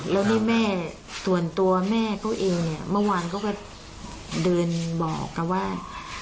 แล้วนี่แม่ส่วนตัวแม่เขาเองเนี่ยเมื่อวานเขาก็เดินบอกกับว่า